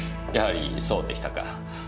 やはりそうでしたか。